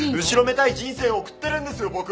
後ろめたい人生を送ってるんですよ